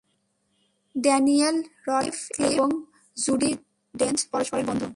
Daniel Radcliffe এবং Judi Dench পরস্পরের বন্ধু।